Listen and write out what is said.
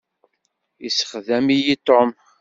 Yessexdem-iyi Tom.